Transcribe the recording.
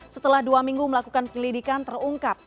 setelah dua minggu melakukan penyelidikan terungkap